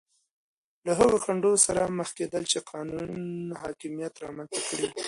له هغو خنډونو سره مخ کېدل چې قانون حاکمیت رامنځته کړي وو.